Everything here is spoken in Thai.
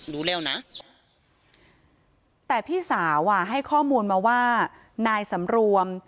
รู้แล้วนะแต่พี่สาวอ่ะให้ข้อมูลมาว่านายสำรวม